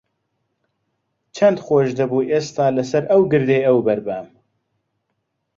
چەند خۆش دەبوو ئێستا لەسەر ئەو گردەی ئەوبەر بام.